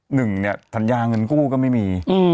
หนึ่งเนี่ยสัญญาเงินกู้ก็ไม่มี